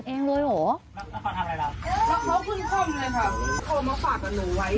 ขึ้นข้อมเลยครับโทรมาฝากหนูไว้